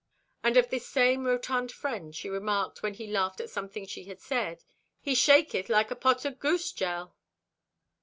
And of this same rotund friend she remarked, when he laughed at something she had said: "He shaketh like a pot o' goose jell!"